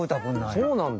そうなんだ！